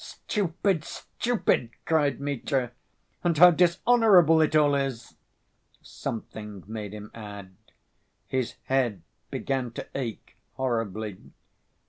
"Stupid! Stupid!" cried Mitya. "And how dishonorable it all is!" something made him add. His head began to ache horribly.